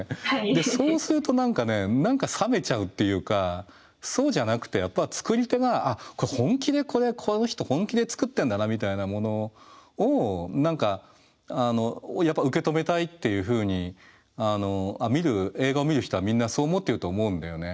でそうすると何かね何か冷めちゃうっていうかそうじゃなくてやっぱ作り手が本気でこれこの人本気で作ってんだなみたいなものをやっぱ受け止めたいっていうふうに映画を見る人はみんなそう思ってると思うんだよね。